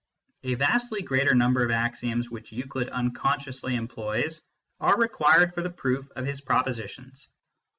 A vastly greater number of axioms, which Euclid unconsciously employs, are re quired for the proof of his propositions.